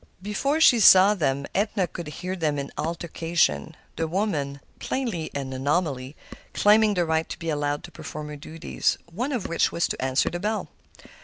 Before she saw them Edna could hear them in altercation, the woman—plainly an anomaly—claiming the right to be allowed to perform her duties, one of which was to answer the bell.